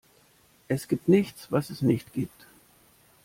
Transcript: Es gibt nichts, was es nicht gibt.